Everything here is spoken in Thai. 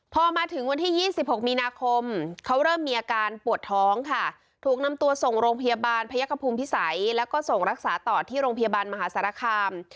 พอมาถึงวันที่๒๖มีนาคมเขาเริ่มมีอาการปวดท้องค่ะถูกนำตัวส่งโรงพยาบาลพยักษภูมิพิสัยแล้วก็ส่งรักษาต่อที่โรงพยาบาลมหาสารคาม